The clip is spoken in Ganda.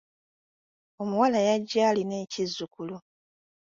Omuwala yajja alina ekizzukulu.